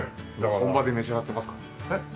本場で召し上がってますからね。